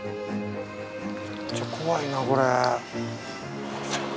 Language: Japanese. めっちゃ怖いなこれ。